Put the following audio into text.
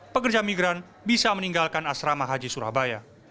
pekerja migran bisa meninggalkan asrama haji surabaya